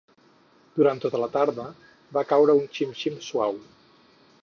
Durant tota la tarda va caure un xim-xim suau.